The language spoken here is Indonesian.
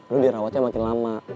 lo dirawatnya makin lama